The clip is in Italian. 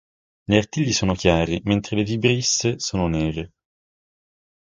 Gli artigli sono chiari, mentre le vibrisse sono nere.